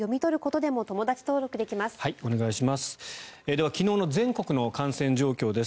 では昨日の全国の感染状況です。